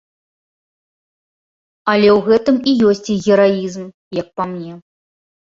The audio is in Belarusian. Але ў гэтым і ёсць іх гераізм, як па мне.